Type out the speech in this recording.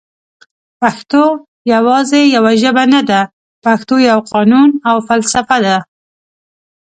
پښتو یواځي یوه ژبه نده پښتو یو قانون او فلسفه ده